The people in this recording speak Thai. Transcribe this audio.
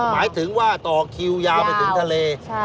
หมายถึงว่าต่อคิวยาวไปถึงทะเล